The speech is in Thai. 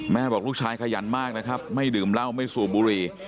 บอกลูกชายขยันมากนะครับไม่ดื่มเหล้าไม่สูบบุรี